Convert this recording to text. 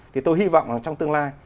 thì tôi hy vọng trong tương lai